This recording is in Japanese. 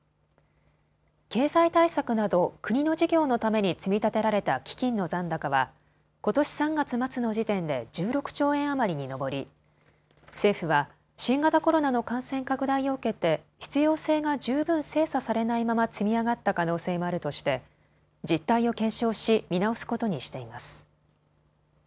経済対策など国の事業のために積み立てられた基金の残高はことし３月末の時点で１６兆円余りに上り政府は新型コロナの感染拡大を受けて必要性が十分精査されないまま積み上がった可能性もあるとして実態を検証し見直すことにしています。